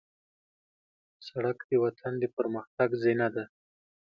سړک د وطن د پرمختګ زینه ده.